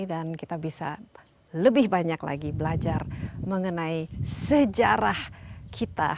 dan kita bisa lebih banyak lagi belajar mengenai sejarah kita